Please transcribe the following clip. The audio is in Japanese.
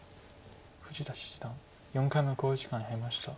富士田七段４回目の考慮時間に入りました。